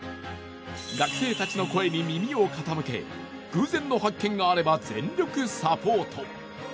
学生たちの声に耳を傾け偶然の発見があれば全力サポート。